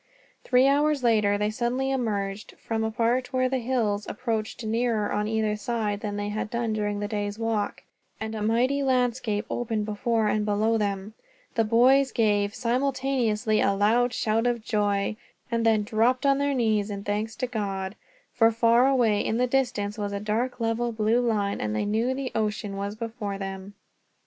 Three hours later they suddenly emerged, from a part where the hills approached nearer on either side than they had done during the day's walk, and a mighty landscape opened before and below them. The boys gave, simultaneously, a loud shout of joy; and then dropped on their knees, in thanks to God, for far away in the distance was a dark level blue line, and they knew the ocean was before them.